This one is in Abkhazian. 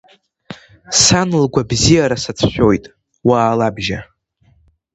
Сан лгәабзиара сацәшәоит, уаалабжьа!